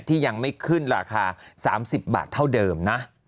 ที่ยังไม่ขึ้นราคา๓๐บาทเท่าเดิมนะ